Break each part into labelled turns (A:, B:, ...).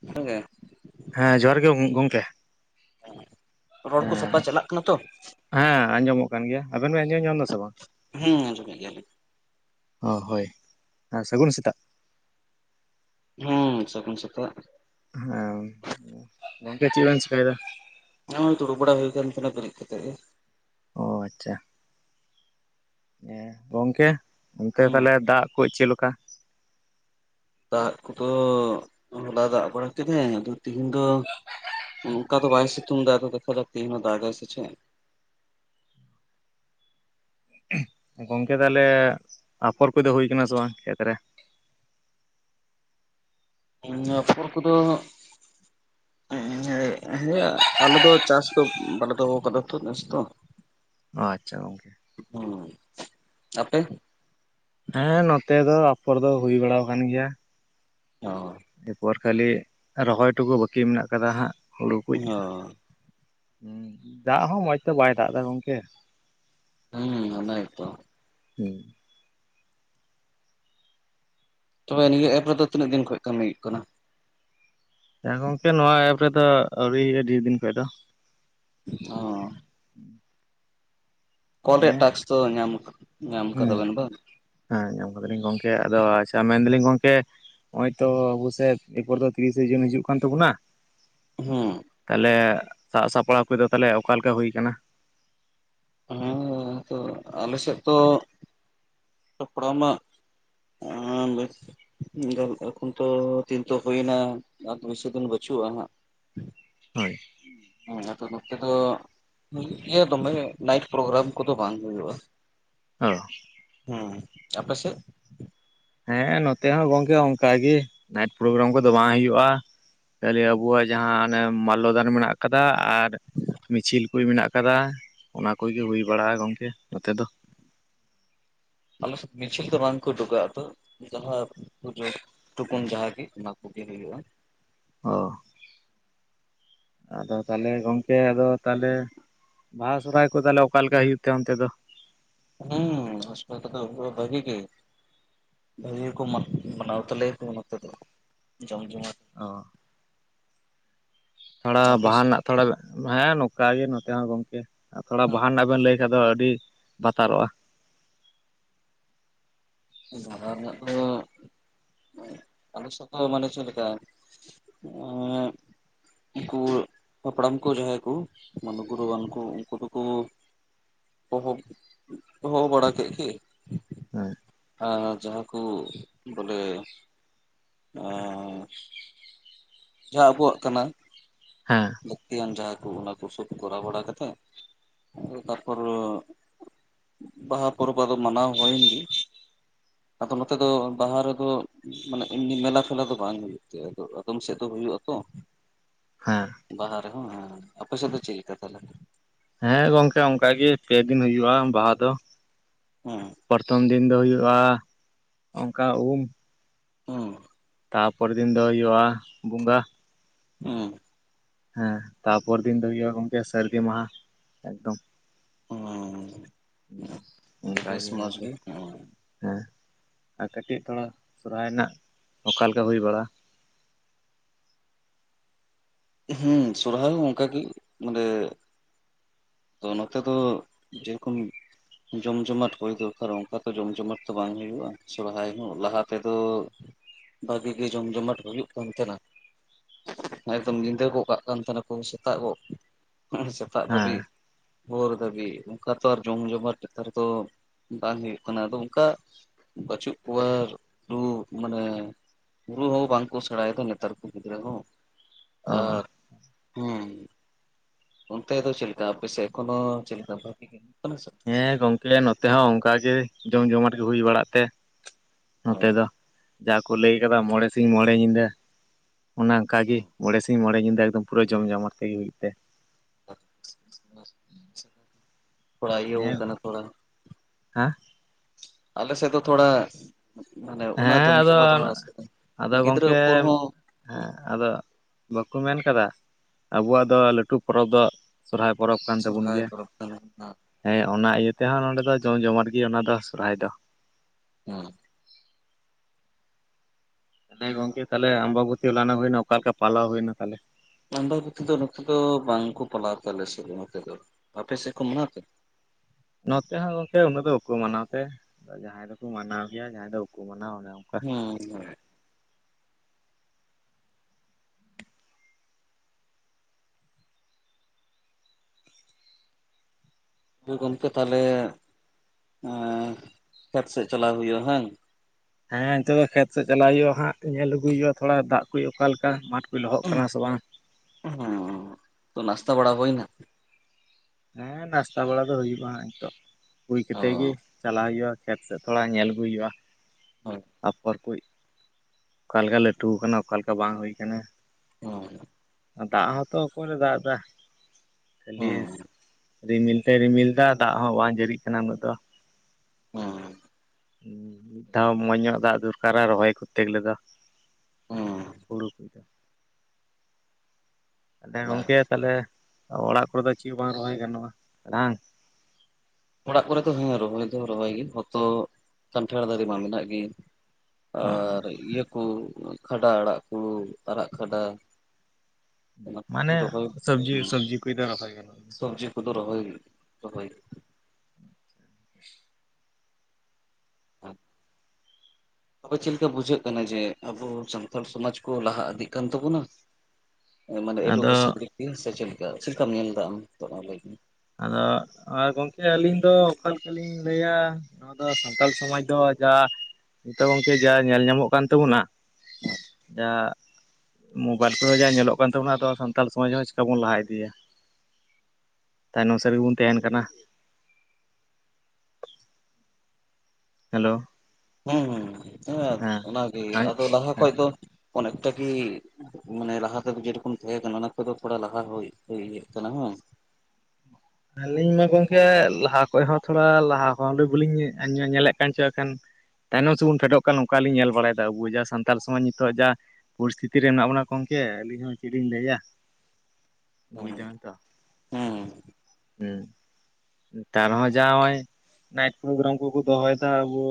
A: ᱦᱮ ᱜᱚᱢᱴᱝᱠᱮ᱾
B: ᱦᱮᱸ ᱡᱚᱦᱟᱨ ᱜᱮ ᱜᱚᱝᱠᱮ,
A: ᱨᱚᱲ ᱠᱚ ᱥᱟᱯᱷᱟ
B: ᱦᱮᱸ
A: ᱪᱟᱞᱟᱜ ᱠᱟᱱᱟ ᱛᱚ?
B: ᱦᱮᱸ ᱟᱸᱡᱚᱢᱚᱜ ᱠᱟᱱ ᱜᱮᱭᱟ, ᱟᱵᱮᱱ ᱵᱤᱱ ᱟᱸᱡᱚᱢ ᱧᱟᱢ ᱮᱫᱟ ᱥᱮ ᱵᱟᱝ?
A: ᱦᱩᱸ ᱟᱸᱡᱚᱢᱮᱜ ᱜᱮᱭᱟᱞᱤᱧ᱾
B: ᱚ ᱦᱳᱭ ᱟᱨ ᱥᱟᱹᱜᱩᱱ ᱥᱮᱛᱟᱜ,
A: ᱦᱮᱸ ᱥᱟᱹᱜᱩᱱ ᱥᱮᱛᱟᱜ᱾
B: ᱦᱮᱸ ᱜᱚᱝᱠᱮ ᱪᱮᱫ ᱵᱤᱱ ᱪᱤᱠᱟᱮᱫᱟ?
A: ᱱᱚᱜᱚᱭ ᱫᱩᱲᱩᱵ ᱵᱟᱲᱟ ᱦᱩᱭ ᱟᱠᱟᱱ ᱛᱟᱦᱮᱸᱱᱟ ᱵᱮᱨᱮᱫ ᱠᱟᱛᱮᱜ ᱜᱮ᱾
B: ᱚ ᱟᱪᱪᱷᱟ, ᱦᱮᱸ ᱜᱚᱝᱠᱮ ᱚᱱᱛᱮ
A: ᱦᱮᱸ
B: ᱛᱟᱦᱞᱮ ᱫᱟᱜ ᱠᱚ ᱪᱮᱫ ᱞᱮᱠᱟ?
A: ᱫᱟᱜ ᱠᱚᱫᱚ ᱦᱚᱞᱟᱭ ᱫᱟᱜ ᱵᱟᱲᱟ ᱠᱮᱫᱟᱭ ᱟᱫᱚ ᱛᱤᱦᱤᱧ ᱫᱚ ᱱᱚᱝᱠᱟ ᱫᱚ ᱵᱟᱭ ᱥᱤᱛᱩᱝ ᱫᱟ᱾ ᱟᱫᱚ ᱫᱮᱠᱷᱟ ᱡᱟᱠ ᱛᱤᱦᱤᱧ ᱦᱚ ᱫᱟᱜ ᱟᱭ ᱥᱮ ᱪᱮᱫ?
B: ᱜᱚᱝᱠᱮ ᱛᱟᱦᱞᱮ ᱟᱯᱷᱚᱨ ᱠᱚᱫᱚ ᱦᱩᱭ ᱠᱟᱱᱟ ᱥᱮ ᱵᱟᱝ ᱠᱷᱮᱛ ᱨᱮ?
A: ᱱᱚᱣᱟ, ᱟᱯᱷᱩᱨ ᱠᱚᱫᱚ ᱮᱸ, ᱦᱮᱸᱭᱟ, ᱟᱞᱮ ᱫᱚ ᱪᱟᱥ ᱫᱚ, ᱵᱟᱞᱮ ᱫᱚᱦᱚ ᱠᱟᱫᱟ ᱛᱚ ᱱᱮᱥ ᱛᱚ᱾
B: ᱚ, ᱟᱪᱪᱷᱟ ᱜᱚᱝᱠᱮ
A: ᱦᱳᱭ, ᱟᱯᱮ?
B: ᱦᱮᱸ ᱱᱚᱛᱮ ᱫᱚ ᱟᱯᱷᱚᱨ ᱫᱚ ᱦᱩᱭ ᱵᱟᱲᱟᱣ ᱟᱠᱟᱱ ᱜᱮᱭᱟ
A: ᱚ
B: ᱮᱯᱚᱨ ᱠᱷᱟᱹᱞᱤ, ᱨᱚᱦᱚᱭ ᱴᱩᱠᱩ ᱵᱟᱹᱠᱤ ᱢᱮᱱᱟᱜ ᱠᱟᱫᱟ ᱦᱟᱸᱜ, ᱦᱩᱲᱩ ᱠᱩᱡᱼᱼ
A: ᱚ
B: ᱫᱟᱜ ᱦᱚᱸ ᱢᱚᱸᱡᱽ ᱛᱮ ᱵᱟᱭ ᱫᱟᱜ ᱫᱟ ᱜᱚᱝᱠᱮ ᱾
A: ᱦᱩᱸ, ᱚᱱᱟ ᱜᱮᱛᱚ?
B: ᱦᱩᱸ
A: ᱛᱚᱵᱮ ᱱᱤᱭᱟᱹ ᱮᱯ ᱨᱮᱫᱚ ᱛᱤᱱᱟᱹᱜ ᱫᱤᱱ ᱠᱷᱚᱡ ᱠᱟᱹᱢᱤ ᱦᱩᱭᱩᱜ ᱠᱟᱱᱟ?
B: ᱦᱮᱸ ᱜᱚᱝᱠᱮ ᱱᱚᱣᱟ ᱮᱯ ᱨᱮᱫᱚ, ᱟᱹᱣᱨᱤ [unintelligible] ᱟᱹᱰᱤ ᱫᱤᱱ ᱠᱷᱚᱡ ᱫᱚ
A: ᱚ ᱠᱚᱞ
B: ᱦᱮᱸ
A: ᱨᱮᱭᱟᱜ ᱴᱟᱠᱥ ᱛᱚ ᱧᱟᱢ, ᱧᱟᱢ
B: ᱦᱮᱸ
A: ᱠᱟᱫᱟ ᱵᱮᱱ ᱵᱟ?
B: ᱦᱮᱸ ᱧᱟᱢ ᱠᱟᱫᱟᱞᱤᱧ ᱜᱚᱝᱠᱮ, ᱟᱫᱚ ᱟᱪᱪᱷᱟ ᱢᱮᱱ ᱫᱟᱞᱤᱧ ᱜᱚᱝᱠᱮᱼᱼ ᱦᱚᱸᱜ ᱚᱭ ᱛᱚ ᱟᱵᱚ ᱥᱮᱫ, ᱮᱨᱯᱚᱨ ᱫᱚ ᱛᱤᱨᱤᱥᱮ ᱡᱩᱱ ᱦᱤᱡᱩᱜ ᱠᱟᱱ ᱛᱟᱵᱚᱱᱟ᱾
A: ᱦᱩᱸ
B: ᱛᱟᱞᱦᱮ, ᱥᱟᱜ ᱥᱟᱯᱲᱟᱣ ᱠᱚᱫᱚ ᱛᱟᱦᱞᱮ ᱚᱠᱟᱞᱮᱠᱟ ᱦᱩᱭ ᱠᱟᱱᱟ?
A: ᱦᱳᱸ ᱛᱚ ᱟᱞᱮᱥᱮᱛ ᱛᱚᱼᱼ ᱥᱟᱯᱲᱟᱢ ᱢᱟ [inaudible] [inaudible] ᱮᱠᱷᱚᱱ ᱛᱚ ᱛᱤᱱ ᱛᱚ ᱦᱩᱭᱱᱟ, ᱟ ᱵᱤᱥᱤ ᱫᱤᱱ ᱵᱟᱹᱪᱩᱜᱼᱟ ᱦᱟᱸᱜ?
B: ᱦᱳᱸᱭ
A: ᱦᱚᱸ, ᱟᱫᱚ ᱱᱚᱛᱮ ᱫᱚ, ᱦᱩᱭᱩᱜ ᱜᱮᱭᱟ ᱫᱚᱢᱮ ᱱᱟᱭᱤᱴ ᱯᱨᱳᱜᱨᱟᱢ ᱠᱚᱫᱚ ᱵᱟᱝ ᱦᱩᱭᱩᱜᱼᱟ᱾
B: ᱚ
A: ᱦᱩᱸ, ᱟᱯᱮ ᱥᱮᱫ?
B: ᱦᱮᱸ, ᱱᱚᱛᱮ ᱦᱚᱸ ᱜᱚᱝᱠᱮ ᱚᱱᱠᱟ ᱜᱮ, ᱱᱟᱭᱤᱴ ᱯᱨᱳᱜᱨᱟᱢ ᱠᱚᱫᱚ ᱵᱟᱝ ᱦᱩᱭᱩᱜ-ᱟ᱾ ᱠᱷᱟᱞᱤ ᱟᱵᱚᱣᱟᱜ ᱡᱟᱦᱟᱸ, ᱚᱱᱮ ᱢᱟᱞᱞᱚᱫᱟᱱ ᱢᱮᱱᱟᱜ ᱟᱠᱟᱫᱟ, ᱟᱨ, ᱢᱤᱪᱷᱤᱞ ᱠᱚ ᱢᱮᱱᱟᱜᱼᱼ ᱠᱟᱫᱟ, ᱚᱱᱟ ᱠᱚᱜᱮ ᱦᱩᱭ ᱵᱟᱲᱟᱜ-ᱟ ᱜᱚᱢᱠᱮ, ᱱᱚᱛᱮ ᱫᱚᱼᱼ
A: [inaudible] ᱢᱤᱪᱷᱤᱞ ᱫᱚ ᱵᱟᱝᱠᱚ ᱩᱴᱩᱠᱟᱜᱼᱟ ᱛᱚ ᱡᱟᱦᱟᱸ, ᱯᱩᱡᱟᱹ, ᱴᱩᱠᱩᱱ ᱡᱟᱦᱟᱹ ᱜᱮ ᱚᱱᱟ ᱠᱚᱜᱮ ᱦᱩᱭᱩᱜ-ᱟ᱾
B: ᱚ ᱟᱫᱚ ᱛᱟᱞᱦᱮ ᱜᱚᱝᱠᱮ, ᱟᱫᱚ ᱛᱟᱞᱦᱮ ᱵᱟᱦᱟ ᱥᱚᱦᱨᱟᱭ ᱠᱚ ᱛᱟᱞᱦᱮ, ᱚᱠᱟᱞᱮᱠᱟ ᱦᱩᱭᱩᱜ ᱛᱮ ᱚᱱᱛᱮ ᱫᱚ?
A: ᱦᱩᱸ [inaudible] ᱫᱚ ᱵᱷᱟᱹᱜᱤ ᱜᱮ᱾ ᱵᱷᱟᱹᱜᱤ ᱠᱚ ᱢᱟ ᱢᱟᱱᱟᱣ ᱛᱟᱞᱮᱭᱟ ᱠᱚ, ᱱᱚᱛᱮ ᱫᱚ, ᱡᱚᱢ ᱡᱚᱢᱟᱴᱼᱼ
B: ᱚ ᱛᱷᱚᱲᱟ,
A: ᱟᱯᱮ
B: ᱵᱟᱦᱟ
A: ᱥᱮᱫ
B: ᱨᱮᱱᱟᱜ ᱛᱷᱚᱲᱟ, ᱦᱮᱸ ᱱᱚᱠᱟ ᱜᱮ ᱱᱚᱛᱮ ᱦᱚᱸ ᱜᱚᱝᱠᱮ᱾ ᱛᱷᱚᱲᱟ
A: ᱫᱚ
B: ᱵᱟᱦᱟ ᱨᱮᱱᱟᱜ ᱵᱮᱱ ᱞᱟᱹᱭ ᱠᱷᱟᱡ ᱫᱚ ᱟᱹᱰᱤ, ᱵᱷᱟᱛᱟᱨᱚᱜᱼᱟ᱾
A: ᱵᱟᱦᱟ ᱨᱮᱱᱟᱜ ᱫᱚ, [inaudible] ᱟᱞᱮ ᱥᱮᱛ ᱫᱚ ᱢᱟᱱᱮ ᱪᱮᱜ ᱞᱮᱠᱟ? ᱮᱸᱻᱜ ᱩᱱᱠᱩ, ᱦᱟᱯᱲᱟᱢ ᱠᱚ ᱡᱟᱦᱟᱸᱭ ᱠᱚ, ᱢᱟᱱ ᱜᱩᱨᱩ ᱜᱟᱱ ᱠᱚ ᱩᱱᱠᱩ ᱫᱚᱠᱚᱼᱼ ᱰᱚᱼᱵᱚ, ᱰᱚᱵᱚᱜ ᱵᱟᱲᱟ ᱠᱮᱫ ᱜᱮ᱾
B: ᱦᱮᱸ
A: ᱟᱨ, ᱡᱟᱦᱟᱸ ᱠᱚ ᱵᱚᱞᱮ, ᱟᱸᱻᱼᱼ ᱡᱟᱦᱟᱸ ᱟᱵᱚᱣᱟᱜ ᱠᱟᱱᱟ᱾
B: ᱦᱮᱸ
A: ᱞᱟᱹᱠᱛᱤᱭᱟᱱ ᱡᱟᱦᱟᱸ ᱠᱚ ᱚᱱᱟ ᱠᱚ ᱥᱩᱫ ᱠᱚᱨᱟᱣ ᱵᱟᱲᱟ ᱠᱟᱛᱮᱜ, ᱟᱫᱚ ᱛᱟᱨᱯᱚᱨ ᱵᱟᱦᱟ ᱯᱚᱨᱚᱵᱽ ᱟᱫᱚ ᱢᱟᱱᱟᱣ ᱦᱳᱭᱮᱱ ᱜᱤ᱾
B: [inaudible]
A: ᱟᱫᱚ ᱱᱚᱛᱮ ᱫᱚ ᱵᱟᱦᱟ ᱨᱮᱫᱚ ᱢᱟᱱᱮ ᱮᱢᱱᱤ ᱢᱮᱞᱟ ᱯᱷᱮᱞᱟ ᱫᱚ ᱵᱟᱝ ᱦᱩᱭᱩᱜ ᱜᱮᱭᱟ᱾ ᱟᱫᱚᱢ ᱥᱮᱫ ᱫᱚ ᱦᱩᱭᱩᱜᱼᱟ ᱛᱚ᱾
B: ᱦᱮᱸ᱾
A: ᱵᱟᱦᱟ ᱨᱮᱦᱚᱸ ᱦᱮᱸ ᱟᱯᱮ ᱥᱮᱫ ᱫᱚ ᱪᱮᱫ ᱞᱮᱠᱟ ᱛᱟᱦᱞᱮ?
B: ᱦᱮᱸ ᱜᱚᱝᱠᱮ ᱚᱱᱠᱟ ᱜᱮ ᱯᱮ ᱫᱤᱱ ᱦᱩᱭᱩᱜᱼᱟ ᱵᱟᱦᱟ ᱫᱚ᱾
A: ᱦᱮᱸ᱾
B: ᱯᱚᱨᱛᱷᱚᱢ ᱫᱤᱱ ᱫᱚ ᱦᱩᱭᱩᱜᱼᱟ ᱚᱱᱠᱟ ᱩᱢ
A: ᱦᱩᱸ᱾
B: ᱛᱟᱯᱚᱨ ᱫᱤᱱ ᱫᱚ ᱦᱩᱭᱩᱜᱼᱟ ᱵᱚᱸᱜᱟ᱾
A: ᱦᱚᱸ᱾
B: ᱦᱮᱸ ᱛᱟᱯᱚᱨ ᱫᱤᱱ ᱫᱚ ᱦᱩᱭᱩᱜᱼᱟ ᱜᱚᱢᱠᱮ ᱥᱟᱹᱨᱫᱤ ᱢᱟᱦᱟ ᱮᱠᱫᱚᱢ᱾
A: ᱚᱸᱻ ᱾
B: ᱦᱮᱸ ᱚᱱᱠᱟ ᱜᱤ ᱜᱚᱢᱠᱮ᱾
A: ᱦᱮᱸ
B: ᱦᱮᱸ ᱟᱨ ᱠᱟᱹᱴᱤᱡ ᱛᱷᱚᱲᱟ ᱥᱚᱨᱚᱨᱟᱭ ᱨᱮᱱᱟᱜ ᱚᱠᱟ ᱞᱮᱠᱟ ᱦᱩᱭ ᱵᱟᱲᱟᱜᱼᱟ?
A: ᱦᱩᱸ ᱥᱚᱨᱦᱟᱭ ᱦᱚᱸ ᱚᱱᱠᱟ ᱜᱤ ᱚᱸᱰᱮ ᱛᱚ ᱱᱚᱛᱮ ᱫᱚ ᱡᱮᱨᱚᱠᱚᱢ ᱡᱚᱢ ᱡᱚᱢᱟᱴ ᱦᱩᱭ ᱫᱚᱨᱠᱟᱨ ᱚᱱᱠᱟ ᱛᱚ ᱡᱚᱢ ᱡᱚᱢᱟᱴ ᱛᱚ ᱵᱟᱝ ᱦᱩᱭᱩᱜᱼᱟ ᱥᱚᱨᱦᱟᱭ ᱦᱚᱸ ᱞᱟᱦᱟ ᱛᱮᱫᱚ ᱵᱷᱟᱹᱜᱤ ᱜᱤ ᱡᱚᱢ ᱡᱚᱢᱟᱴ ᱦᱩᱭᱩᱜ ᱠᱟᱱ ᱛᱟᱦᱮᱱᱟ᱾ ᱮᱠᱫᱚᱢ ᱧᱤᱫᱟᱹ ᱜᱚᱜ ᱠᱟᱜ ᱠᱟᱱ ᱛᱟᱦᱮᱱᱟ ᱠᱚ, ᱥᱮᱛᱟᱜᱚᱜ ᱥᱮᱛᱟᱜ
B: ᱦᱮᱸ
A: ᱫᱷᱟᱹᱵᱤᱡ᱾ ᱵᱷᱳᱨ ᱫᱟᱷᱹᱵᱤᱡ ᱚᱱᱠᱟ ᱛᱚ ᱟᱨ ᱡᱚᱢ ᱡᱚᱢᱟ ᱱᱮᱛᱟᱨ ᱫᱚ ᱵᱟᱝ ᱦᱩᱭᱩᱜ ᱠᱟᱱᱟ, ᱟᱫᱚ ᱚᱱᱠᱟ ᱵᱟᱹᱪᱩᱜ ᱠᱚᱣᱟ ᱨᱩ ᱢᱟᱱᱮ ᱨᱩ ᱦᱚᱸ ᱵᱟᱝ ᱠᱚ ᱥᱮᱬᱟᱭᱮᱫᱟ ᱱᱮᱛᱟᱨ ᱠᱚ ᱜᱤᱫᱽᱨᱟᱹ ᱦᱚᱸ,
B: ᱚ
A: ᱟᱨ ᱦᱩᱸ᱾ ᱚᱱᱛᱮ ᱫᱚ ᱪᱮᱫ ᱞᱮᱠᱟ ᱟᱯᱮ ᱥᱮᱫ ᱠᱷᱚᱱ ᱦᱚ ᱪᱮᱫ ᱞᱮᱠᱟ ᱵᱷᱟᱹᱜᱤ ᱜᱮ ᱦᱩᱭᱩᱜ ᱠᱟᱱᱟ ᱥᱮ
B: ᱦᱮᱸ ᱜᱚᱝᱠᱮ ᱱᱚᱛᱮ ᱦᱚᱸ ᱚᱱᱠᱟ ᱜᱮ ᱡᱚᱢ ᱡᱚᱢᱟᱴ ᱜᱮ ᱦᱩᱭ ᱵᱟᱲᱟᱜ ᱛᱮ ᱱᱚᱛᱮ
A: ᱵᱟᱝ?
B: ᱫᱚ ᱡᱟ-ᱠᱚ ᱞᱟᱹᱭ ᱠᱟᱫᱟ ᱢᱚᱬᱮ ᱥᱤᱧ ᱢᱚᱬᱮ ᱧᱤᱫᱟᱹ᱾ ᱚᱱᱮ ᱚᱱᱠᱟ ᱜᱤ
A: ᱦᱩᱸ
B: ᱢᱚᱬᱮ ᱥᱤᱧ ᱢᱚᱬᱮ ᱧᱤᱫᱟᱹ ᱮᱠᱫᱚᱢ ᱯᱩᱨᱟᱹ ᱡᱚᱢ ᱡᱚᱢᱟᱴ ᱛᱮᱜᱮ ᱦᱩᱭᱩᱜ ᱛᱮ᱾
A: [unintelligible] ᱛᱷᱚᱲᱟ
B: ᱱᱤᱭᱟᱹ
A: ᱟᱹᱭᱩᱵᱚᱜ ᱠᱟᱱᱟ ᱛᱷᱚᱲᱟ ᱾
B: ᱦᱮᱸ
A: ᱟᱞᱮ ᱥᱮᱫ ᱫᱚ ᱛᱷᱚᱲᱟ ᱢᱟᱱᱮ ᱚᱱᱟ
B: ᱦᱮᱸ
A: ᱡᱚᱢ
B: ᱟᱫᱚ
A: ᱡᱚᱢᱟᱴ ᱚᱱᱟ ᱨᱟᱹᱥᱠᱟᱹ ᱠᱟᱱᱟ
B: ᱟᱫᱚ
A: ᱜᱤᱫᱽᱨᱟᱹ
B: ᱜᱚᱝᱠᱮ
A: ᱯᱚᱨ ᱦᱚᱸ
B: ᱦᱮᱸ ᱟᱫᱚ ᱵᱟᱠᱚ ᱢᱮᱱ ᱠᱟᱫᱟ, ᱟᱵᱚᱣᱟᱜ ᱫᱚ ᱞᱟᱹᱴᱩ ᱯᱚᱨᱚᱵᱽ ᱫᱚ ᱥᱚᱨᱦᱟᱭ ᱯᱚᱨᱚᱵᱽ ᱠᱟᱱ ᱛᱟᱵᱩᱱ
A: ᱥᱚᱨᱦᱟᱭ
B: ᱜᱮᱭᱟ᱾
A: ᱯᱚᱨᱚᱵᱽ ᱠᱟᱱᱟ
B: ᱦᱮᱸ ᱚᱱᱟ ᱤᱭᱟᱹ ᱛᱮᱦᱚᱸ ᱱᱚᱸᱰᱮ ᱫᱚ ᱡᱚᱢ ᱡᱚᱢᱟᱴ ᱜᱤ ᱚᱱᱟ ᱫᱚ ᱥᱚᱨᱦᱟᱭ ᱫᱚ᱾
A: ᱦᱩᱸ᱾
B: ᱛᱟᱞᱦᱮ ᱜᱚᱝᱠᱮ ᱛᱟᱞᱦᱮ ᱟᱢᱵᱚᱛᱤ ᱦᱚᱞᱟᱱᱚᱜ ᱦᱩᱭᱮᱱᱟ, ᱚᱠᱟ ᱞᱮᱠᱟ ᱯᱟᱞᱟᱣ ᱦᱩᱭᱱᱟ ᱛᱟᱦᱞᱮ?
A: ᱟᱢᱵᱟᱵᱚᱛᱤ ᱫᱚ ᱱᱚᱛᱮ ᱫᱚ ᱵᱟᱝ ᱠᱚ ᱯᱟᱞᱟᱣ ᱛᱮ ᱟᱞᱮ ᱥᱮᱫ ᱫᱚ ᱱᱚᱛᱮ ᱫᱚ᱾ ᱟᱯᱮ ᱥᱮᱫ ᱠᱚ ᱢᱟᱱᱟᱣ ᱛᱮ?
B: ᱱᱚᱛᱮ ᱦᱚᱸ ᱜᱚᱝᱠᱮ ᱩᱱᱟᱹᱜ ᱫᱚ ᱵᱟᱠᱩ ᱢᱟᱱᱟᱣ ᱛᱮ, ᱡᱟᱦᱟᱸᱭ ᱫᱚᱠᱚ ᱢᱟᱱᱟᱣ ᱜᱮᱭᱟ ᱡᱟᱦᱟᱸᱭ ᱫᱚ ᱵᱟᱠᱩ ᱢᱟᱱᱟᱣ ᱚᱱᱮ ᱚᱝᱠᱟ᱾
A: ᱦᱩᱸ [unintelligible] ᱜᱚᱢᱠᱮ ᱛᱟᱦᱚᱞᱮ ᱮᱸ ᱠᱷᱮᱛ ᱥᱮᱡ ᱪᱟᱞᱟᱣ ᱦᱩᱭᱩᱜᱼᱟ ᱦᱟᱝ?
B: ᱦᱮᱸ ᱱᱤᱛᱚᱜ ᱫᱚ ᱠᱷᱮᱛ ᱥᱮᱡ ᱪᱟᱞᱟᱜ ᱦᱩᱭᱩᱜᱼᱟ ᱦᱟᱸᱜ, ᱧᱮᱞ ᱟᱹᱜᱩᱭ ᱦᱩᱭᱩᱜᱼᱟ ᱛᱷᱚᱲᱟ ᱫᱟᱜ ᱠᱩᱭ ᱚᱠᱟ ᱞᱮᱠᱟ ᱢᱟᱴᱷ ᱞᱚᱦᱚᱜ ᱠᱟᱱᱟ ᱥᱮ ᱵᱟᱝ?
A: ᱦᱚᱸᱻ ᱛᱚ ᱱᱟᱥᱛᱟ ᱵᱟᱲᱟ ᱦᱩᱭᱱᱟ?
B: ᱦᱮᱸ ᱱᱟᱥᱛᱟ ᱵᱟᱲᱟ ᱫᱚ ᱦᱩᱭᱩᱜᱼᱟ ᱱᱤᱛᱚᱜ, ᱦᱩᱭ
A: ᱚ
B: ᱠᱟᱛᱮ ᱜᱤ ᱪᱟᱞᱟᱣ ᱦᱩᱭᱩᱜᱼᱟ ᱠᱷᱮᱛ ᱥᱮᱡ ᱛᱷᱚᱲᱟ ᱧᱮᱞ ᱟᱹᱜᱩᱭ ᱦᱩᱭᱩᱜᱼᱟ᱾
A: ᱦᱳᱭ ᱾
B: ᱟᱯᱷᱚᱨ ᱠᱚᱡ, ᱚᱠᱟ ᱞᱮᱠᱟ ᱞᱟᱹᱴᱩ ᱟᱠᱟᱱᱟ, ᱚᱠᱟ ᱞᱮᱠᱟ ᱵᱟᱝ, ᱦᱩᱭ ᱟᱠᱟᱱᱟ ᱾
A: ᱦᱚᱸᱻ ᱾
B: ᱫᱟᱜ ᱦᱚᱸᱛᱚ, ᱚᱠᱩᱨᱮ ᱫᱟᱜ ᱮᱫᱟ,
A: ᱦᱮᱸ
B: ᱠᱷᱟᱹᱞᱤᱥ ᱨᱤᱢᱤᱞ ᱛᱮᱭ ᱨᱤᱢᱤᱞ ᱮᱫᱟ, ᱫᱟᱜ ᱦᱚᱸ, ᱵᱟᱝ ᱡᱟᱹᱲᱤᱜ ᱠᱟᱱᱟ, ᱩᱱᱟᱹᱜ ᱫᱚ ᱾
A: ᱚᱸᱻ ᱾
B: ᱛᱟᱣ ᱢᱚᱸᱡᱽ ᱧᱚᱜ, ᱫᱟᱜ ᱫᱚᱨᱠᱟᱨᱼᱟ ᱨᱚᱦᱚᱭ ᱠᱚᱨᱛᱮ, ᱜᱮᱞᱮ ᱫᱚ ᱾
A: ᱦᱮᱸ
B: ᱦᱩᱲᱩ ᱟᱫᱮ ᱜᱚᱝᱠᱮ, ᱛᱟᱦᱟᱞᱮ ᱚᱲᱟᱜ ᱠᱚᱨᱮ ᱫᱚ, ᱪᱮᱫ ᱵᱟᱝ ᱨᱚᱦᱚᱭ ᱜᱟᱱᱚᱜᱼᱟ, ᱵᱟᱝ?
A: ᱚᱲᱟᱜ ᱠᱚᱨᱮ ᱫᱚ, ᱦᱮᱸ ᱨᱚᱦᱚᱭ ᱫᱚ ᱨᱚᱦᱚᱭ ᱜᱮ, ᱦᱚᱛᱚ ᱠᱟᱱᱴᱷᱟᱲ ᱫᱟᱨᱮ ᱢᱟ, ᱢᱮᱱᱟᱜ ᱜᱮ ᱾
B: ᱚ
A: ᱟᱨ ᱤᱭᱟᱹ ᱠᱚ, ᱠᱷᱟᱰᱟ ᱟᱲᱟᱜ ᱠᱚ, ᱟᱨᱟᱜ ᱠᱷᱟᱰᱟ ᱚᱱᱟ ᱠᱚᱜᱮ
B: ᱢᱟᱱᱮ,
A: ᱨᱚᱦᱚᱭ
B: ᱥᱚᱵᱽᱡᱤ,
A: ᱦᱮᱸ
B: ᱥᱚᱵᱽᱡᱤ ᱠᱚ [unintelligible] ᱫᱟᱨᱚᱭ ᱵᱟᱭ ᱜᱟᱱᱚᱜᱼᱟ ᱾
A: ᱥᱚᱵᱽᱡᱤ ᱠᱚᱫᱚ, ᱨᱚᱦᱚᱭ ᱦᱩᱭᱩᱜᱼᱟ, ᱨᱚᱦᱚᱭ ᱦᱩᱭᱩᱜᱼᱟ ᱾
B: ᱦᱚᱻᱩᱪ [unintelligible]
A: ᱦᱼᱚᱻᱢᱯ [unintelligible] ᱟᱫᱚ, ᱪᱮᱫ ᱞᱮᱠᱟ ᱵᱩᱡᱷᱟᱹᱜ ᱠᱟᱱᱟ, ᱡᱮ, ᱟᱵᱚ ᱥᱟᱱᱛᱟᱲ ᱥᱚᱢᱟᱡᱽ ᱠᱚ, ᱞᱟᱦᱟ ᱤᱫᱤᱜ ᱠᱟᱱ ᱛᱟᱵᱚᱱᱟ ᱾ ᱢᱟᱱᱮ, ᱮᱰᱩ [unintelligible]
B: ᱟᱫᱚ
A: ᱠᱮᱥᱚᱱ ᱥᱮ ᱪᱮᱫ ᱞᱮᱠᱟᱢ ᱪᱮᱫ ᱞᱮᱠᱟᱢ ᱧᱮᱞ ᱮᱫᱟ, ᱟᱢ ᱚᱱᱟ, ᱞᱟᱹᱭᱢᱮ ᱾
B: ᱟᱫᱚ ᱟᱨ ᱜᱚᱝᱠᱮ, ᱟᱹᱞᱤᱧ ᱫᱚ ᱚᱠᱟ, ᱞᱮᱠᱟ ᱞᱤᱧ ᱞᱟᱹᱭᱟ? ᱱᱚᱣᱟ ᱫᱚ ᱥᱟᱱᱛᱟᱞ ᱥᱚᱢᱟᱡᱽ ᱫᱚ, ᱡᱟ ᱱᱤᱛᱚᱜ ᱜᱚᱝᱠᱮ, ᱡᱟ ᱧᱮᱞ ᱧᱟᱢᱚᱼᱜ ᱠᱟᱱ ᱛᱟᱵᱚᱱᱟ ᱾ ᱥ-ᱤ-ᱭᱟᱹ-ᱜ ᱡᱟᱜ [unintelligible] ᱢᱳᱵᱟᱭᱤᱞ ᱠᱚᱨᱮ, ᱡᱟᱦᱟᱸ ᱧᱮᱞᱚᱜ ᱠᱟᱱ ᱛᱟᱵᱚᱱᱟ, ᱟᱫᱚ ᱥᱟᱱᱛᱟᱲᱹ ᱥᱚᱢᱟᱡᱽ ᱦᱚᱸ, ᱪᱤᱠᱟᱹ ᱵᱚᱱ ᱞᱟᱦᱟ ᱤᱫᱤᱭᱟ ᱾ ᱛᱟᱭᱱᱚᱢ ᱥᱮᱫ ᱨᱮᱜᱮ, ᱵᱚᱱ ᱛᱟᱦᱮᱸᱱ ᱠᱟᱱᱟ ᱾ ᱦᱮᱞᱳ ᱾
A: ᱦᱩᱸᱝ, ᱦᱩᱸᱮᱸ ᱚᱱᱟ ᱜᱮ ᱟᱫᱚ, ᱞᱟᱦᱟᱸ
B: ᱦᱮᱸ
A: ᱠᱷᱚᱡ ᱫᱚ, ᱚᱱᱮᱠᱴᱟᱤ ᱠᱤ ᱢᱟᱱᱮ, ᱞᱟᱦᱟ ᱛᱮᱫ ᱡᱮ ᱨᱚᱠᱚᱢ ᱛᱟᱦᱮᱸ ᱠᱟᱱᱟ, ᱚᱱᱟ ᱠᱚᱫᱚ ᱛᱷᱚᱲᱟ ᱞᱟᱦᱟ, ᱦᱩᱭ ᱟᱭᱤ ᱠᱟᱱᱟ, ᱦᱩᱸᱻ᱾
B: ᱟᱹᱞᱤᱧ ᱢᱟ ᱜᱚᱝᱠᱮ, ᱞᱟᱦᱟᱸ ᱠᱷᱚᱡ ᱦᱚᱸ ᱛᱷᱚᱲᱟ ᱞᱟᱦᱟ ᱠᱷᱚᱱ ᱦᱚᱸ ᱵᱟᱞᱤᱧ ᱧᱮᱞᱮᱫ ᱠᱟᱱ ᱪᱚ ᱮᱱᱠᱷᱟᱱ ᱛᱟᱭᱱᱚᱢ ᱥᱮᱫ ᱵᱚᱱ ᱯᱷᱮᱰᱚᱜ ᱠᱟᱱ, ᱚᱱᱠᱟ ᱞᱤᱧ ᱧᱮᱞ ᱵᱟᱲᱟᱭᱮᱫᱟ, ᱟᱵᱚ ᱡᱟ, ᱥᱟᱱᱛᱟᱲ ᱥᱚᱢᱟᱡᱽ ᱤᱛᱚᱜ ᱡᱟ ᱾ ᱯᱚᱨᱤᱥᱛᱷᱤᱛᱤ ᱨᱮ ᱢᱮᱱᱟᱜ ᱵᱚᱱᱟ, ᱜᱚᱢᱠᱮ ᱟᱹᱞᱤᱧ ᱦᱚᱸ, ᱪᱮᱫ ᱞᱤᱧ ᱞᱟᱹᱭᱟ, ᱵᱩᱡ ᱮᱫᱟᱢ ᱛᱚ ᱾
A: ᱩᱸᱻᱮᱸ ᱾
B: ᱦᱩᱸ, ᱱᱮᱛᱟᱨ ᱢᱟ ᱡᱟᱶᱟᱭ, ᱱᱟᱭᱤᱴ ᱯᱨᱳᱜᱨᱟᱢ ᱠᱚᱠᱚ, ᱫᱚᱦᱚ ᱭᱮᱫᱟ ᱟᱵᱚ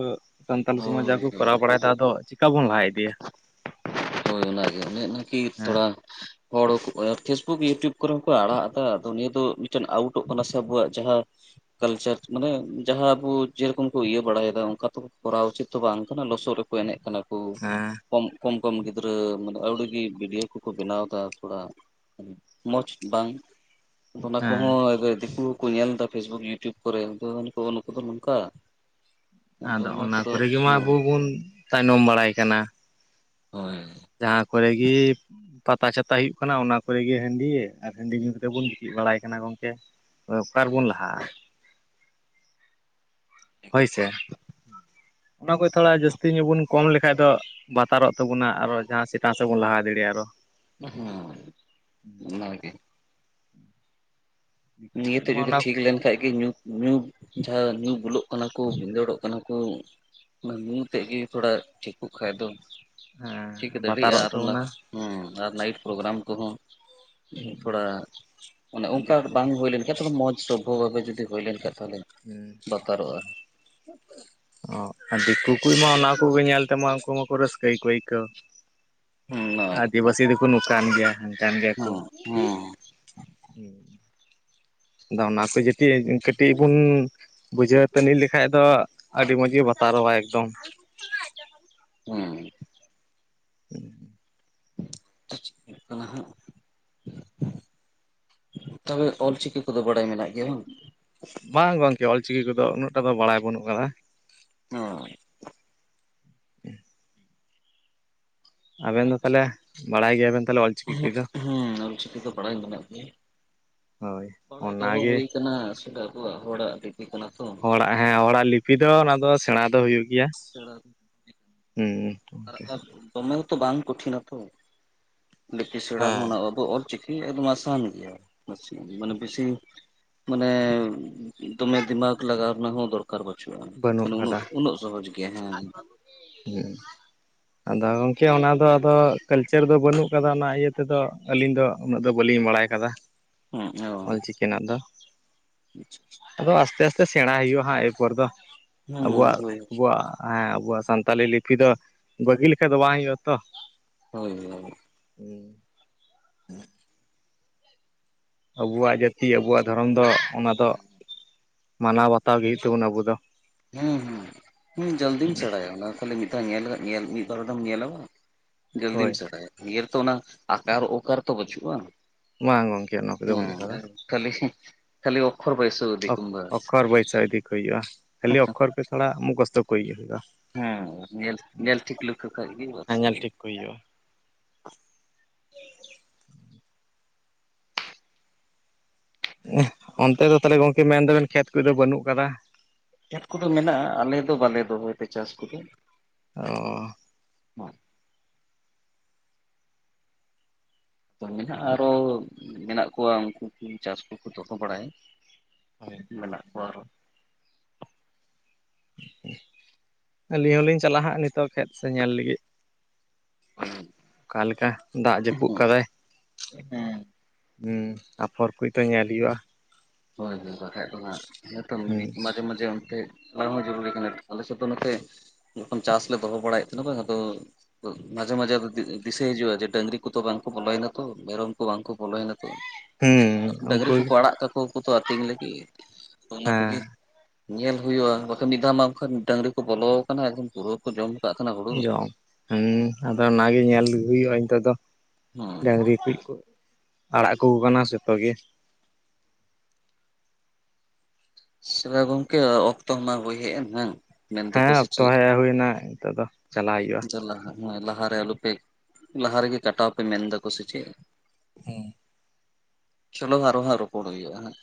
B: ᱥᱟᱱᱛᱟᱞ ᱥᱚᱢᱟᱡᱽ ᱡᱟ
A: ᱦᱳᱭ
B: ᱠᱚ, ᱠᱚᱨᱟᱣ
A: ᱦᱳᱭ
B: ᱵᱟᱲᱟᱭᱟ ᱛᱚ ᱟᱫᱚ, ᱪᱤᱠᱟᱹ ᱵᱚᱱ ᱞᱟᱦᱟ ᱤᱫᱤᱭᱟ ᱾
A: ᱦᱳᱭ ᱚᱱᱟ ᱜᱮ ᱚᱱᱮ, ᱚᱱᱟᱠᱤ
B: ᱦᱮᱸ
A: ᱛᱷᱚᱲᱟ ᱦᱚᱲ, ᱯᱷᱮᱥᱵᱩᱠ ᱤᱭᱩᱴᱩᱵᱽ ᱠᱚᱨᱮ ᱦᱚᱸᱠᱚ, ᱟᱲᱟᱜ ᱮᱫᱟ, ᱟᱫᱚ ᱱᱤᱭᱟᱹ ᱫᱚ, ᱢᱤᱫᱴᱮᱱ ᱟᱣᱩᱴᱚᱜ ᱠᱟᱱᱟ ᱥᱮ ᱾ ᱟᱸᱵᱚᱹᱣᱟᱜ ᱡᱟᱦᱟᱸ ᱠᱟᱞᱪᱟᱨ ᱢᱟᱱᱮ, ᱡᱟᱦᱟᱸ ᱟᱵᱚ ᱡᱮ ᱨᱚᱠᱚᱢ ᱠᱚ, ᱤᱭᱟᱹ ᱵᱟᱲᱟᱭᱮᱫᱟ ᱾ ᱚᱱᱠᱟ ᱛᱚ, ᱠᱚᱨᱟᱣ ᱩᱪᱤᱛ ᱫᱚ, ᱵᱟᱝ ᱠᱟᱱᱟ ᱾ ᱞᱚᱥᱚᱫ ᱨᱮ ᱾ ᱮᱱᱮᱡ ᱠᱟᱱᱟ ᱠᱚ,
B: ᱦᱮᱸ
A: ᱠᱚᱢ ᱠᱚᱢ ᱜᱤᱫᱽ ᱜᱤᱫᱽᱨᱟᱹ ᱟ. ᱣᱲᱤᱜᱤ ᱵᱷᱤᱰᱳ ᱠᱚᱠᱚ, ᱵᱮᱱᱟᱣ ᱮᱫᱟ, ᱛᱷᱚᱹᱲᱟ ᱾ ᱢᱚᱡᱽ ᱵᱟᱝ, ᱚᱱᱟ
B: ᱦᱮᱸ
A: ᱠᱚᱦᱚᱸᱭ ᱫᱤᱠᱩ ᱠᱚ ᱧᱮᱞ ᱮᱫᱟ, ᱯᱷᱮᱥᱵᱩᱠ ᱤᱭᱩᱴᱩᱵ ᱠᱚᱨᱮ, ᱱᱩᱠᱩ ᱫᱚ ᱱᱚᱝᱠᱟ ᱾
B: ᱟᱫᱚ, ᱚᱱᱟ ᱠᱚᱨᱮ ᱜᱮᱢᱟ, ᱟᱵᱚ ᱵᱚᱱ ᱛᱟᱭᱱᱚᱢ ᱵᱟᱲᱟᱭ ᱠᱟᱱᱟ ᱾
A: ᱦᱳᱭ ᱾
B: ᱡᱟᱦᱟᱸ ᱠᱚᱨᱮ ᱜᱤ ᱯᱟᱛᱟ ᱪᱷᱟᱛᱟ ᱦᱩᱭᱩᱼᱜ ᱠᱟᱱᱟ, ᱚᱱᱟ ᱠᱚᱨᱮ ᱜᱮ, ‌ ᱦᱟᱺᱰᱤ ᱟᱨ ᱦᱟᱺᱰᱤ ᱧᱩ ᱠᱟᱛᱮᱫ, ᱵᱚᱱ ᱜᱤᱛᱤᱡ ᱵᱟᱲᱟᱭ ᱠᱟᱱᱟ ᱜᱚᱝᱠᱮ ᱾ ᱚᱠᱟ ᱨᱮ ᱵᱚᱱ ᱞᱟᱦᱟᱜᱼᱟ ᱾ ᱦᱳᱭ ᱥᱮ, ᱚᱱᱟ ᱠᱚ ᱛᱷᱚᱲᱟ, ᱡᱟᱹᱥᱛᱤ ᱧᱚᱜ ᱵᱚᱱ ᱠᱚᱢ ᱞᱮᱠᱷᱟᱱ ᱫᱚ ᱵᱟᱛᱟᱨᱚᱜ ᱛᱟᱵᱚᱱᱟ, ᱟᱨᱚ ᱡᱟᱦᱟᱸ ᱪᱮᱛᱟᱱ ᱥᱮᱫ ᱵᱚᱱ ᱞᱟᱦᱟ ᱫᱟᱲᱮᱭᱟᱜᱼᱟ, ᱟᱨᱚ
A: ᱦᱩᱸ ᱚᱱᱟᱹ ᱜᱮ᱾
B: ᱫᱤᱠᱩ ᱠᱚ
A: ᱱᱤᱭᱟᱹᱛᱮ
B: ᱢᱟ
A: ᱡᱩᱫᱤ
B: ᱚᱱᱟ
A: ᱴᱷᱤᱠ ᱞᱮᱱᱹᱠᱟᱱᱜ ᱜᱮ ᱧᱩ ᱧᱩ ᱡᱟᱦᱟᱸ ᱧᱩ ᱵᱩᱞᱚᱜ ᱠᱟᱱᱟ ᱠᱚ ᱵᱷᱤᱸᱫᱟᱹᱲᱚᱜ ᱠᱟᱱᱟ ᱠᱚᱸ ᱚᱱᱟᱹ ᱧᱩ ᱛᱮᱜ ᱜᱮ ᱛᱷᱚᱲᱟ ᱪᱷᱤᱠᱚᱼᱜ ᱠᱷᱟᱱᱡ ᱫᱚ ᱪᱤᱠᱟᱹ
B: ᱦᱮᱸ
A: ᱫᱟᱹᱲᱮᱭᱟᱜᱼᱟᱹ
B: ᱵᱟᱛᱟᱨᱚᱜ
A: ᱟᱨ ᱦᱩᱸ
B: ᱛᱟᱵᱚᱱᱟ
A: ᱟᱨ ᱱᱟᱭᱤᱴ ᱯᱨᱳᱜᱨᱟᱢ ᱠᱚᱦᱚᱸ ᱛᱷᱚᱹᱲᱟ ᱚᱱᱮ ᱚᱝᱠᱟ
B: ᱫᱤᱠᱩ
A: ᱵᱟᱝ ᱦᱩᱭ ᱞᱮᱱᱹᱠᱷᱟᱱ ᱛᱚᱲ ᱢᱚᱸᱡ ᱥᱚᱵᱷᱚ ᱵᱷᱟᱵᱮ ᱡᱩᱫᱤ ᱦᱩᱭ ᱞᱮᱱᱹᱠᱷᱟᱱ ᱛᱮ
B: ᱦᱮᱸ
A: ᱵᱟᱹᱛᱟᱨᱚᱜᱼᱟ᱾
B: ᱚ ᱟᱨ ᱫᱤᱠᱩ ᱠᱚᱢᱟ ᱚᱱᱟ ᱠᱚᱸᱜᱮ ᱧᱮᱞ ᱛᱮᱢᱟ ᱩᱱᱠᱩ ᱢᱟᱠᱚᱸ ᱨᱟᱹᱥᱠᱟᱹᱠᱚ ᱟᱹᱭᱠᱟᱹᱣ᱾
A: ᱦᱮᱸ ᱚᱱᱟ ᱜᱮᱛᱚ
B: ᱟᱹᱫᱤᱵᱟᱹᱥᱤ ᱫᱚᱠᱚ ᱱᱚᱝ ᱠᱟᱱ ᱜᱮᱭᱟ ᱦᱟᱱᱠ ᱜᱮᱭᱟ ᱠᱚ
A: ᱦᱮᱸ ᱦᱮᱸ
B: ᱦᱩ᱾ ᱟᱫᱚᱸ ᱚᱱᱟ ᱠᱚ ᱡᱟᱹᱴᱤ ᱠᱟᱹᱴᱤᱡ ᱵᱩᱱ ᱵᱩᱡᱷᱟᱹᱣ ᱟᱛᱮ ᱞᱮ ᱞᱮᱸᱠᱷᱟᱡ ᱫᱚ ᱟᱹᱰᱤ ᱢᱚᱡ ᱜᱮ ᱵᱟᱹᱛᱟᱨᱚᱜᱼᱟ ᱮᱠᱫᱚᱢ᱾
A: ᱦᱩᱸ᱾
B: [inaudible]
A: ᱟᱫᱚ ᱪᱤᱠᱟᱹᱜ ᱠᱟᱱᱟ ᱦᱟᱸᱜ ᱛᱚᱵᱮ ᱚᱞᱪᱤᱠᱤ ᱠᱚᱫᱚ ᱵᱟᱲᱟᱭ ᱢᱮᱱᱟᱜ ᱜᱮᱭᱟ ᱵᱟᱝ?
B: ᱵᱟᱝ ᱜᱚᱝᱠᱮ ᱚᱞᱪᱤᱠᱤ ᱠᱚ ᱫᱚ ᱩᱱᱟᱹᱜ ᱴᱟ ᱫᱚ ᱵᱟᱲᱟᱭ ᱵᱟᱹᱱᱩᱜ ᱠᱟᱫᱟ᱾
A: ᱚ᱾
B: [inaudible] ᱟᱵᱮᱱ ᱫᱚ ᱛᱟᱦᱞᱮ ᱵᱟᱲᱟᱭ ᱜᱮᱭᱟ ᱵᱤᱱ ᱛᱟᱦᱞᱮ ᱚᱞ ᱪᱤᱠᱤ ᱠᱚᱫᱚ?
A: ᱦᱩᱸ ᱚᱞᱪᱤᱠᱤ ᱫᱚ ᱵᱟᱲᱟᱭ ᱢᱮᱱᱟᱜ ᱜᱮᱭᱟ
B: ᱦᱳᱭ
A: ᱵᱟᱲᱟᱭ ᱫᱚ ᱦᱚ
B: ᱚᱱᱟᱜᱮ
A: ᱦᱩᱭ ᱠᱟᱱᱟ [inaudible] ᱠᱚᱣᱟᱜ ᱦᱚᱲᱟᱜ ᱫᱤᱠ ᱞᱤᱯᱤ ᱠᱟᱱᱟ ᱛᱚ᱾
B: ᱦᱚᱲᱟᱜ ᱦᱮᱸ ᱦᱚᱲᱟᱜ ᱞᱤᱯᱤ ᱫᱚ ᱱᱚᱣᱟ ᱫᱚ ᱥᱮᱬᱟ ᱫᱚ ᱦᱩᱭᱩᱜ ᱜᱮᱭᱟ
A: ᱥᱮᱬᱟ
B: ᱦᱩᱸ᱾
A: ᱟᱨ ᱫᱚᱢᱮ ᱛᱚ ᱵᱟᱝ ᱠᱚᱴᱷᱤ ᱱᱟᱛᱚ ᱞᱯᱤ ᱥᱮᱬᱟ
B: ᱦᱮᱸ
A: ᱦᱚᱸ ᱟᱵᱚ ᱚᱞ ᱪᱤ ᱮᱠᱫᱚᱢ ᱟᱥᱟᱱ ᱜᱮᱭᱟ ᱢᱟᱱᱮ ᱵᱮᱥᱤ ᱢᱟᱱᱮ ᱫᱚᱢᱮ ᱫᱤᱢᱟᱠ ᱞᱟᱜᱟᱣ ᱨᱮᱱᱟᱜ ᱦᱚᱸ ᱫᱚᱨ ᱠᱟᱨ ᱵᱟᱹᱪᱩᱜᱼᱟ
B: ᱵᱟᱹᱱᱩᱜ
A: ᱟᱫᱚ ᱩᱱᱟᱹᱜ
B: ᱠᱟᱫᱟ
A: ᱩᱱᱟᱹᱜ ᱥᱚᱦᱚᱡ ᱜᱮᱭᱟ ᱦᱮᱸ᱾
B: ᱦᱩᱸ᱾ ᱟᱫᱚ ᱜᱚᱝᱠᱮ ᱚᱱᱟ ᱫᱚ ᱟᱫᱚ ᱠᱟᱹᱞᱪᱟᱨ ᱫᱚ ᱵᱟᱹᱱᱩᱜ ᱠᱟᱫᱟ ᱚᱱᱟ ᱤᱭᱟᱹ ᱛᱮ ᱫᱚ ᱟᱹᱞᱤᱧ ᱫᱚ ᱩᱱᱟᱹᱜ ᱫᱚ ᱵᱟᱹᱞᱤᱧ ᱵᱟᱲᱟᱭ ᱠᱟᱫᱟ
A: ᱦᱮᱸ ᱚ
B: ᱚᱞ ᱪᱤᱠᱤ ᱱᱟᱜ ᱫᱚ᱾ ᱟᱫᱚ ᱟᱥᱛᱮ ᱟᱥᱛᱮ ᱥᱮᱬᱟᱭ ᱦᱩᱭᱩᱜᱼᱟ ᱦᱟᱸᱜ ᱮᱨᱯᱚᱨ ᱫᱚ
A: ᱦᱩᱸ
B: ᱟᱵᱚᱣᱟᱜ
A: ᱦᱳᱭ
B: ᱟᱵᱚᱣᱟᱜ ᱦᱮᱸ ᱟᱵᱚᱣᱟᱜ ᱥᱟᱱᱛᱟᱞᱤ ᱞᱤᱯᱤ ᱫᱚ ᱵᱟᱹᱜᱤ ᱞᱮᱠᱟ ᱫᱚ ᱵᱟᱝ ᱦᱩᱭᱩᱜᱼᱟ ᱛᱚ᱾
A: ᱦᱳᱭ ᱦᱳᱭ᱾
B: ᱦᱩᱸ᱾
A: [unintelligible]
B: ᱟᱵᱚᱣᱟᱜ ᱡᱟᱹᱛᱤ ᱟᱵᱚᱣᱟᱜ ᱫᱷᱚᱨᱚᱢ ᱫᱚ ᱚᱱᱟ ᱫᱚ ᱢᱟᱱᱟᱣ ᱵᱟᱛᱟᱣ ᱜᱮ ᱦᱩᱭᱩᱜ ᱛᱟᱵᱚ ᱱᱟ ᱟᱵᱚ ᱫᱚ᱾
A: ᱦᱩᱸ ᱦᱩᱸ᱾ ᱦᱩᱸ ᱡᱟᱞᱫᱤᱢ ᱥᱮᱬᱟᱭᱟ ᱚᱱᱟ ᱠᱷᱟᱞᱤ ᱢᱤᱫ ᱫᱷᱟᱣ ᱧᱮᱞ ᱧᱮᱞ ᱢᱤᱫ ᱵᱟᱨ ᱫᱚᱢ ᱧᱮᱞᱟᱢ ᱵᱟᱝ ᱡᱚᱞᱫᱤᱢ
B: ᱦᱳᱭ
A: ᱥᱮᱬᱟᱭᱟ ᱤᱭᱟᱹ ᱛᱚ ᱚᱱᱟ ᱟᱠᱟᱨ ᱚᱠᱟᱨ ᱛᱚ ᱵᱟᱹᱪᱩᱜᱼᱟ᱾
B: ᱵᱟᱝ ᱜᱚᱝᱠᱮ ᱚᱱᱟ ᱠᱚᱫᱚ ᱵᱟᱹᱱᱩᱜ
A: ᱦᱮᱸ
B: ᱠᱟᱫᱟ
A: ᱠᱷᱟᱹᱞᱤ ᱠᱷᱟᱹᱞᱤ ᱚᱠᱷᱚᱨ ᱵᱟᱹᱭᱥ
B: ᱚᱠᱷᱚᱨ ᱵᱟᱹᱭ ᱥᱟᱹᱣ ᱤᱫᱤ ᱠᱚ ᱦᱩᱭᱩᱜᱼᱟ ᱠᱷᱟᱹᱞᱤ ᱚᱠᱷᱚᱨ ᱛᱷᱚᱲᱟ ᱚᱢᱠᱷᱚᱥᱛᱚ ᱠᱚ ᱦᱩᱭᱩᱜᱼᱟ᱾
A: ᱦᱮᱸ ᱧᱮᱞ ᱧᱮᱞ ᱴᱷᱤᱠ ᱞᱚᱠᱠᱷᱚ ᱠᱷᱚᱡ ᱜᱮ ᱵᱟᱥ᱾
B: ᱦᱮᱸ ᱧᱮᱞ ᱴᱷᱤᱠ ᱠᱚ ᱦᱩᱭᱩᱜᱼᱟ᱾ [inaudible] ᱚᱱᱛᱮ ᱫᱚ ᱛᱟᱦᱞᱮ ᱜᱚᱝᱠᱮ ᱢᱮᱱ ᱫᱟᱵᱮᱱ ᱠᱷᱮᱛ ᱠᱚᱫᱚ ᱵᱟᱹᱱᱩᱜ ᱠᱟᱫᱟ
A: ᱠᱷᱮᱛ ᱠᱚᱫᱚ ᱢᱮᱱᱟᱜᱼᱟ ᱟᱞᱮ ᱫᱚ ᱵᱟᱞᱮ ᱫᱚᱦᱚᱭ ᱫᱟᱜ ᱪᱟᱥ ᱠᱚᱫᱚ᱾
B: ᱚ᱾
A: ᱢᱮᱱᱟᱜᱼᱟ ᱟᱨᱚ ᱢᱮᱱᱟᱜ ᱠᱚᱣᱟ ᱩᱱᱠᱩ ᱠᱚ ᱪᱟᱥ ᱠᱚ ᱠᱚ ᱫᱚᱦᱚ ᱵᱟᱲᱟᱭᱟ᱾
B: ᱦᱳᱭ
A: ᱢᱮᱱᱟᱜ ᱠᱚᱣᱟ ᱟᱨᱚ,
B: ᱟᱹᱞᱤᱧ ᱦᱚ ᱞᱤᱧ ᱪᱟᱞᱟᱜᱼᱟ ᱦᱟᱸᱜ ᱱᱤᱛᱚᱜ ᱠᱷᱮᱛ ᱥᱮᱫ ᱧᱮᱞ ᱞᱟᱹᱜᱤᱫ᱾
A: ᱦᱩᱸ
B: ᱚᱠᱟ ᱞᱮᱠᱟ ᱫᱟᱜᱽ ᱡᱟᱹᱯᱩᱫ ᱠᱟᱫᱟᱭ, ᱦᱩᱸ ᱟᱯᱷᱚᱨ ᱯᱷᱚᱨ ᱠᱚᱭ ᱛᱚ ᱧᱮᱞ ᱦᱩᱭᱩᱜᱼᱟ᱾
A: ᱦᱳᱭ ᱦᱳᱭ ᱵᱟᱠᱷᱟᱭ ᱫᱚ ᱦᱟᱸᱜ
B: ᱦᱩᱸ
A: [unintelligible] ᱢᱟᱡᱷᱮ ᱢᱟᱡᱷᱮ ᱚᱱᱛᱮ, ᱚᱱᱟ ᱦᱚᱸ ᱡᱚᱨᱩᱨᱤ ᱠᱟᱱᱟ ᱟᱞᱮ ᱥᱮᱫ ᱫᱚ ᱱᱚᱛᱮ ᱡᱚᱠᱷᱚᱱ ᱪᱟᱥ ᱞᱮ ᱫᱚᱦᱚ ᱵᱟᱲᱟᱭᱮᱫ ᱛᱟᱦᱮᱱᱟ ᱵᱟᱝ ᱟᱫᱚ, ᱟᱫᱚ ᱢᱟᱡᱷᱮ ᱢᱟᱡᱷᱮ ᱫᱤᱥᱟᱹᱭ ᱦᱤᱡᱩᱜᱼᱟ ᱡᱮ ᱰᱟᱹᱝᱨᱤ ᱠᱚᱫᱚ ᱵᱟᱝ ᱠᱚ ᱵᱚᱞᱚᱭ ᱱᱟ ᱛᱚ ᱢᱮᱨᱚᱢ ᱠᱚ ᱵᱟᱝ ᱠᱚ ᱵᱚᱞᱚᱭ ᱱᱟ ᱛᱚ,
B: ᱦᱩᱸ ᱩᱱᱠᱩ ᱜᱮ,
A: ᱩᱱᱠᱚ ᱠᱚᱫᱚ ᱟᱛᱤᱧ ᱞᱟᱜᱤᱫ ᱚᱱᱟ ᱠᱚ
B: ᱦᱮᱸ
A: ᱜᱮ, ᱧᱮᱞ ᱦᱩᱭᱩᱜᱼᱟ ᱵᱟᱠᱟᱱ ᱢᱤᱫ ᱫᱷᱟᱣ ᱢᱟ ᱵᱟᱠᱷᱟᱱ ᱰᱟᱹᱟᱝᱨᱤ ᱠᱚ ᱵᱚᱞᱚ ᱟᱠᱟᱱᱟ ᱮᱠᱫᱚᱢ ᱯᱩᱨᱟᱹ ᱠᱚ ᱡᱚᱢ ᱠᱟᱜ ᱠᱟᱱᱟ ᱦᱩᱲᱩ,
B: ᱦᱮᱸ ᱟᱫᱚ ᱚᱱᱟ ᱜᱮ ᱧᱮᱞ ᱦᱩᱭᱩᱜᱼᱟ ᱱᱤᱛᱚᱜ ᱫᱚ
A: ᱦᱩᱸ
B: ᱰᱟᱝᱨᱤ [unintelligible] ᱟᱲᱟᱜ ᱠᱚ ᱠᱟᱱᱟ ᱡᱷᱚᱛᱚ ᱜᱮ,
A: ᱥᱮᱵᱟ ᱜᱚᱝᱠᱮ ᱚᱠᱛᱚ ᱢᱟ ᱦᱩᱭ ᱦᱮᱜ ᱦᱩᱭᱮᱱ ᱦᱮᱸ
B: ᱦᱮᱸ ᱦᱮᱸ ᱚᱠᱛᱚ ᱦᱮᱜ ᱦᱩᱭᱱᱟ ᱱᱤᱛᱚᱜ ᱫᱚ ᱪᱟᱞᱟᱜ ᱦᱩᱭᱩᱜᱼᱟ᱾
A: ᱦᱮᱸ ᱞᱟᱦᱟᱨᱮ ᱟᱞᱚᱯᱮ ᱞᱟᱦᱟ ᱨᱮᱜᱮ ᱠᱟᱴᱟᱣ ᱯᱮ ᱢᱮᱱ ᱫᱟ ᱠᱚ ᱥᱮ ᱪᱮᱫ,
B: ᱦᱩᱸ
A: ᱪᱚᱞᱚ ᱟᱨᱚ ᱦᱟᱸᱜ ᱨᱚᱯᱚᱲ ᱦᱩᱭᱩᱜ-ᱟ ᱦᱟᱸᱜ᱾